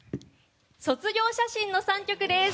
「卒業写真」の３曲です。